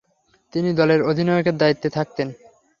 তিনি দলের অধিনায়কের দায়িত্বে থাকতেন।